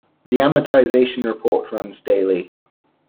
The amortization report runs daily.